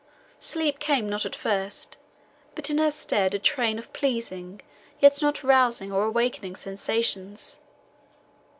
Sleep came not at first, but in her stead a train of pleasing yet not rousing or awakening sensations.